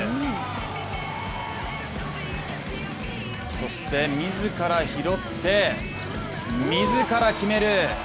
そして、自ら拾って自ら決める！